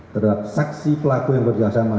terhadap saksi pelaku yang berjelas sama